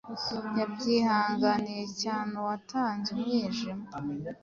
Yabyihanganiye cyaneuwatanze umwijima